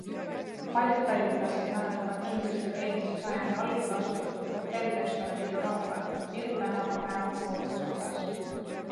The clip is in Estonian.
Paljud tallinlased mäletavad kindlasti ka eelmise sajandi algul asutatud hotell-restorani Euroopa Viru tänava väravapoolses otsas.